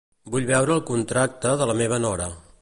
Vull veure el contacte de la meva nora.